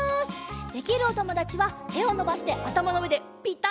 できるおともだちはてをのばしてあたまのうえでピタッとあわせて。